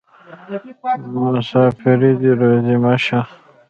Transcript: مسافري دې روزي مه شه.